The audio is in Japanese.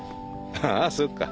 ああそっか。